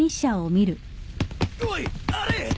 おいあれ！